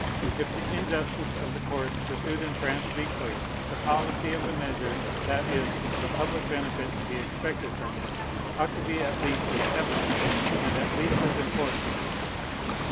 If the injustice of the course pursued in France be clear, the policy of the measure, that is, the public benefit to be expected from it, ought to be at least as evident, and at least as important.